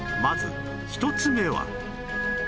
まず１つ目は